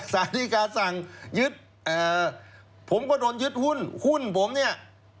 สารดีกาสั่งยึดผมก็โดนยึดหุ้นหุ้นผมเนี่ย